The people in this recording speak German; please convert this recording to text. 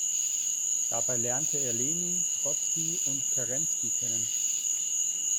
Dabei lernte er Lenin, Trotzki und Kerenski kennen.